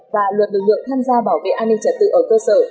và luật lực lượng tham gia bảo vệ an ninh trật tự ở cơ sở